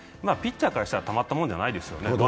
ピッチャーからしたらたまったもんじゃないですよね。